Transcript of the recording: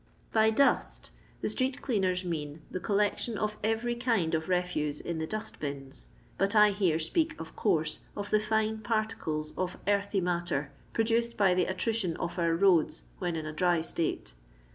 By duH the street cleansers mean the collection of every kiud of refuse in the dust bins ; but I hare speak, of course, of the fine particles of earthy matter produced by the attrition of our roads when in a dry state.